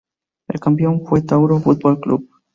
El campeón fue Tauro Fútbol Club.